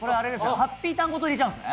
ターンごと入れちゃうんですね